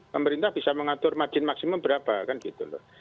pemerintah bisa mengatur margin maksimum berapa kan gitu loh